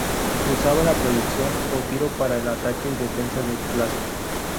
Usaba la proyección, o tiro, para el ataque y defensa de plazas.